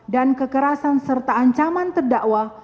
dan kekerasan serta ancaman terdakwa